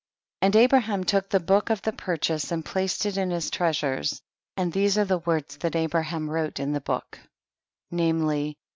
9. And Abraham took the book of the purchase, and placed it in his treasures, and these are the words that Abraham wrote in the book, namely.